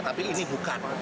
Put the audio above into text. tapi ini bukan